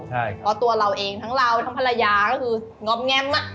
เพราะตัวเราเองทั้งเราทั้งภรรยาก็คืองอบแง่ม